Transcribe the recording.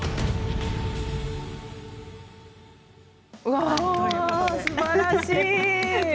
わあ、すばらしい！